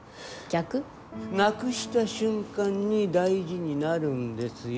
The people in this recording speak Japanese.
なくした瞬間に大事になるんですよ。